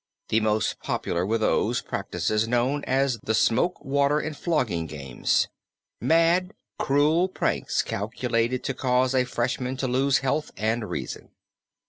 The most popular were those practices known as the smoke, water and flogging games; mad, cruel pranks calculated to cause a freshman to lose health and reason.